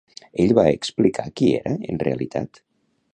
Ell va explicar qui era en realitat?